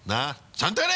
ちゃんとやれ！